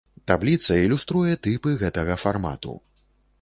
Табліца ілюструе тыпы гэтага фармату.